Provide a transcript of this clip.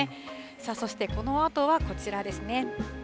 そしてこのあとはこちらですね。